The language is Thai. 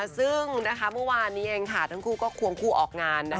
ซึ่งเมื่อวานนี้เองทั้งคู่ก็ควงคู่ออกงาน